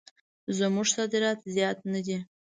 زموږ صادرات زیات نه دي.